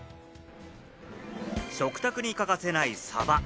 食卓に欠かせないサバ。